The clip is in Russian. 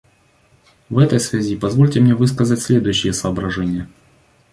В этой связи позвольте мне высказать следующие соображения.